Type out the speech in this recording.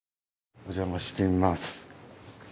お邪魔してみます。